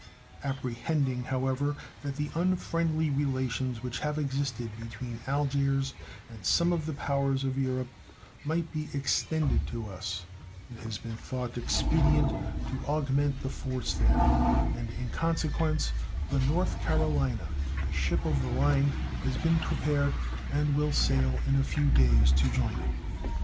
Apprehending, however, that the unfriendly relations which have existed between Algiers and some of the powers of Europe might be extended to us, it has been thought expedient to augment the force there, and in consequence the North Carolina, a ship of the line, has been prepared, and will sail in a few days to join it.